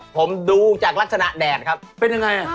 ผมดูจากลักษณะแดดครับเป็นยังไง